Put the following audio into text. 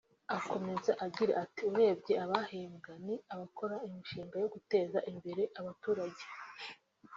Akomeza agira ati “Urebye abahembwa ni abakoze imishinga yo guteza imbere abaturage